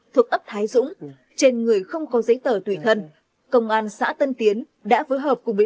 thuộc ấp thái dũng trên người không có giấy tờ tùy thân công an xã tân tiến đã phối hợp cùng với